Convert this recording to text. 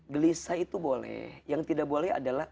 gelisah itu boleh yang tidak boleh adalah